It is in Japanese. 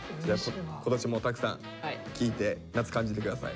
今年もたくさん聴いて夏感じてください。